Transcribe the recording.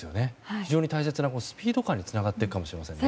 非常に大切なスピード感につながっていくかもしれませんね。